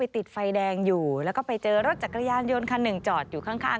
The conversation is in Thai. ติดไฟแดงอยู่แล้วก็ไปเจอรถจักรยานยนต์คันหนึ่งจอดอยู่ข้าง